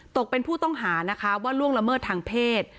ตกเป็นผู้ต้องหานะคะว่าล่วงละเมิดทางเพศ